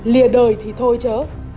lìa đời thì thôi chớ